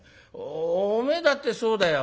おお前だってそうだよ。